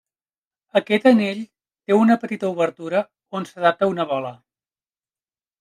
Aquest anell té una petita obertura on s'adapta una bola.